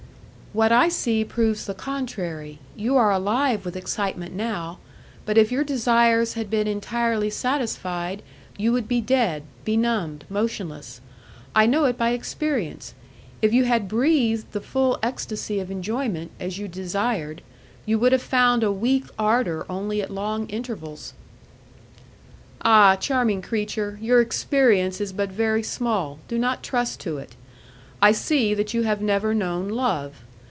"What I see proves the contrary; you are alive with excitement now, but if your desires had been entirely satisfied, you would be dead, benumbed, motionless. I know it by experience: if you had breathed the full ecstacy of enjoyment, as you desired, you would have found a weak ardour only at long intervals." "Ah! charming creature, your experience is but very small; do not trust to it. I see that you have never known love.